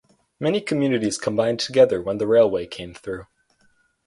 Many communities combined together when the railway came through.